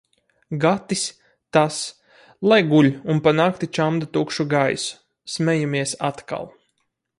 Gatis – tas, lai guļ un pa nakti čamda tukšu gaisu. Smejamies atkal.